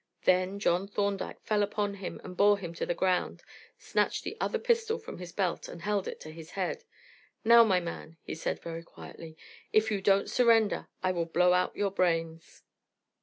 Then John Thorndyke fell upon him and bore him to the ground, snatched the other pistol from his belt, and held it to his head. "Now, my man," he said quietly, "if you don't surrender I will blow out your brains."